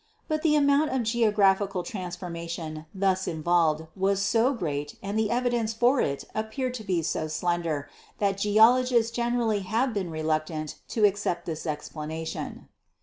But the amount of geographical transformation thus involved was so great and the evidence for it appeared to be so slender that geologists generally have been reluc tant to accept this explanation.